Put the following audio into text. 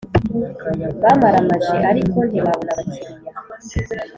bamaramaje ariko ntibabona abakiriya.